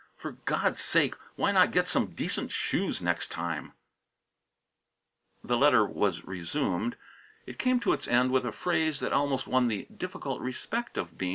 For God's sake, why not get some decent shoes next time " The letter was resumed. It came to its end with a phrase that almost won the difficult respect of Bean.